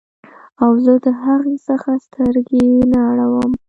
او زه د هغې څخه سترګې نه اړوم